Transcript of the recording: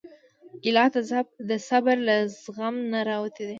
ګیلاس د صبر له زغم نه راوتی دی.